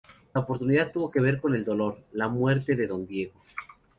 La oportunidad tuvo que ver con el dolor: la muerte de Don Diego.